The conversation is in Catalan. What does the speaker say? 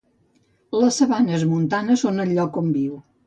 Les sabanes montanes són el lloc on viu.